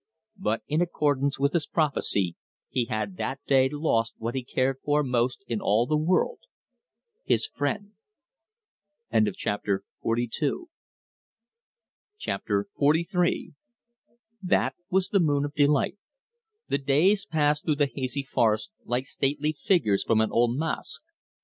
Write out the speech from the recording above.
But in accordance with his prophecy he had that day lost what he cared for most in all the world, his friend. Chapter XLIII That was the moon of delight. The days passed through the hazy forest like stately figures from an old masque.